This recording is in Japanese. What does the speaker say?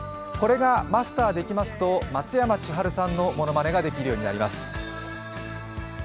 これがマスターできますと、松山千春さんのものまねができるようになります。